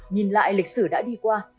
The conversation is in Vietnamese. nhìn lại lịch sử đã đi qua